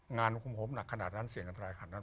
งานคุมโฮมหนักขนาดนั้นเสี่ยงอันตรายขนาดนั้น